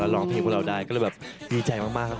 แล้วร้องเพลิงเพลินที่เราได้ก็เลยจัดการอยากมีใจมาก